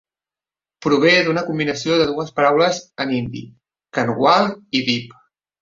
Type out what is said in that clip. Prové d'una combinacio de dues paraules en hindi: "kanwal" i "deep".